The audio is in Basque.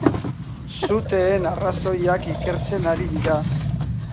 Suteen arrazoiak ikertzen ari dira.